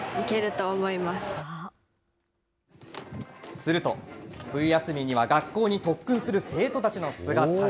すると、冬休みには学校に特訓する生徒たちの姿が。